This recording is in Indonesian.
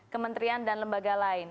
kementerian dan lembaga lain